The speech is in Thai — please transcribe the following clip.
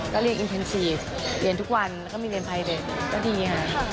ก็เรียกอินเทนซีฟเรียนทุกวันแล้วก็มีเรียนไทยเด็กก็ดีค่ะ